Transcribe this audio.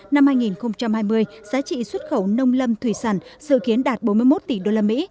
năm hai nghìn hai mươi giá trị xuất khẩu nông lâm thủy sản dự kiến đạt bốn mươi một tỷ usd